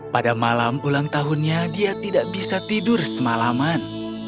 pada malam ulang tahunnya dia tidak bisa tidur semalaman